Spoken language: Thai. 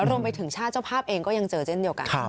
รวมไปถึงชาติเจ้าภาพเองก็ยังเจอเช่นเดียวกัน